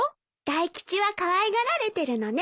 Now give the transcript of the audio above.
大吉はかわいがられてるのね。